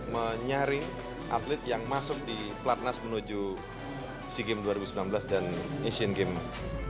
menyaring atlet yang masuk di platnas menuju sea games dua ribu sembilan belas dan asian games